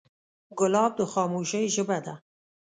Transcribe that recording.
ګلاب د خاموشۍ ژبه ده.